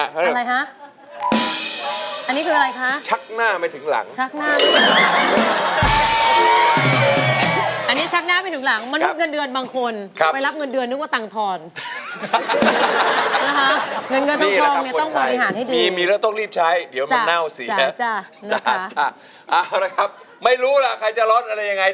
เดี๋ยวมันเน่าเสียนะครับจ้ะนะครับไม่รู้ล่ะใครจะร้อนอะไรยังไง